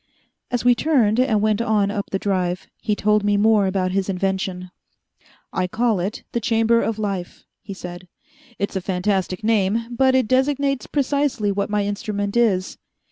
As we turned and went on up the Drive, he told me more about his invention. "I call it the Chamber of Life," he said. "It's a fantastic name, but it designates precisely what my instrument is.